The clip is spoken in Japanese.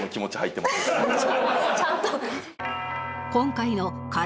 ちゃんと。